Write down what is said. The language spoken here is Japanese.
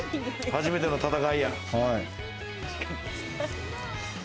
初めての戦いや。